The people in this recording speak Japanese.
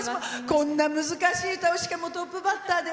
こんな難しい歌をしかもトップバッターで。